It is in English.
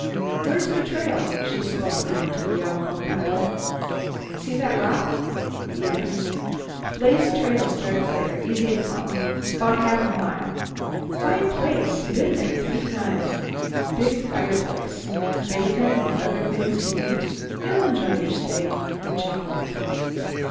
"Where's the trail?" She spoke now to the young co pilot. "See that big rock?" "Yes." "Blazed trail starts there. Easy to follow. About half a mile. Fine place. Been there three times. Big fireplace. Bacon and other things to eat. You'll enjoy your stay," he chuckled.